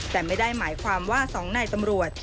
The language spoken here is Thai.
แต่ไม่ได้หมายความว่า๒นายตำรวจ